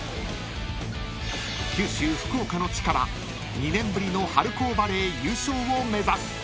［九州福岡の地から２年ぶりの春高バレー優勝を目指す］